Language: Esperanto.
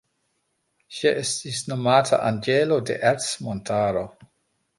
Ŝi estis nomata anĝelo de Ercmontaro.